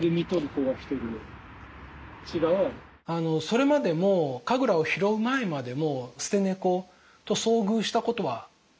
それまでもカグラを拾う前までも捨て猫と遭遇したことはあったと思うんです。